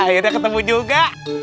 akhirnya ketemu juga